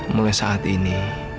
mulai saat ini